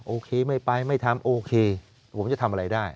โอเคไม่ไปไม่ทำโอเคผมจะทำอะไรได้